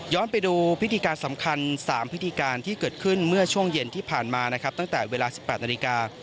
ไปดูพิธีการสำคัญ๓พิธีการที่เกิดขึ้นเมื่อช่วงเย็นที่ผ่านมานะครับตั้งแต่เวลา๑๘นาฬิกา